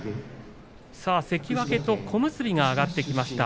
関脇と小結が上がってきました。